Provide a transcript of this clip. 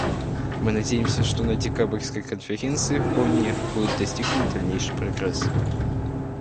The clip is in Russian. Мы надеемся, что на декабрьской конференции в Бонне будет достигнут дальнейший прогресс.